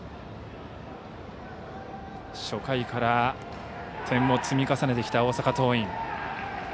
初回から点を積み重ねてきた大阪桐蔭。